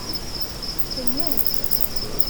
Temmut.